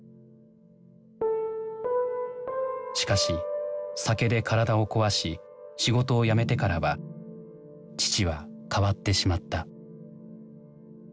しかし酒で体をこわし仕事を辞めてからは父は変わってしまった。